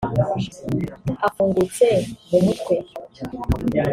Afungutse mu mutwe